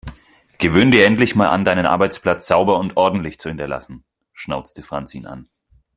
"Gewöhne dir endlich mal an, deinen Arbeitsplatz sauber und ordentlich zu hinterlassen", schnauzte Franz ihn an.